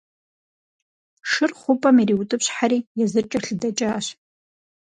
Шыр хъупӀэм ириутӀыпщхьэри, езыр кӀэлъыдэкӀащ.